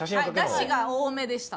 だしが多めでした。